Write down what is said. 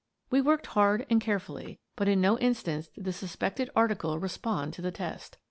We worked hard and carefully, but in no instance did the suspected article respond to the test.